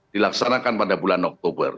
dilaksanakan pada bulan oktober